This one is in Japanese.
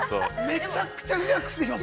◆めちゃくちゃリラックスできます。